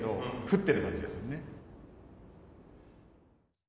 降ってる感じがするね。